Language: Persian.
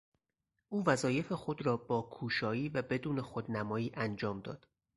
او وظایف خود را با کوشایی و بدون خودنمایی انجام داد.